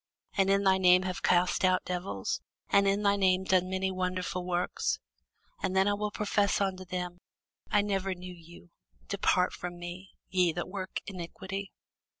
and in thy name have cast out devils? and in thy name done many wonderful works? And then will I profess unto them, I never knew you: depart from me, ye that work iniquity.